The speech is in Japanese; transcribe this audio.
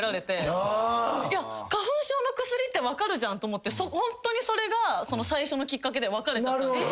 花粉症の薬って分かるじゃんと思ってホントにそれが最初のきっかけで別れちゃった。